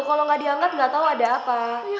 kalau nggak diangkat nggak tahu ada apa